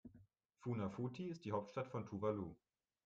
Funafuti ist die Hauptstadt von Tuvalu.